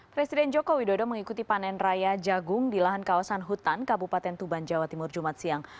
presiden joko widodo mengikuti panen raya jagung di lahan kawasan hutan kabupaten tuban jawa timur jumat siang